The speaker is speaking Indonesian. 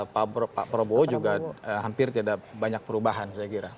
pak prabowo juga hampir tidak ada banyak perubahan saya kira